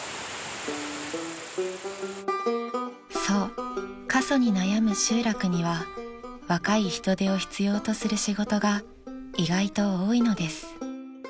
［そう過疎に悩む集落には若い人手を必要とする仕事が意外と多いのです］